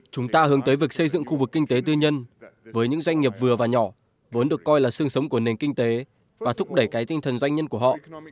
chúng ta hướng tới việc xây dựng khu vực kinh tế tư nhân với những doanh nghiệp vừa và nhỏ vốn được coi là sương sống của nền kinh tế và thúc đẩy cái tinh thần doanh nhân của họ